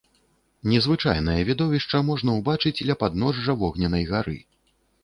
Незвычайнае відовішча можна ўбачыць ля падножжа вогненнай гары.